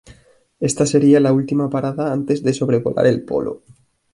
Esta sería la última parada antes de sobrevolar el polo.